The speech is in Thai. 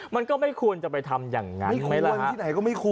มันก็ไม่ควรจะไปทำอย่างนั้นไหมละฮะ